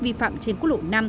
vi phạm trên cốt lộ năm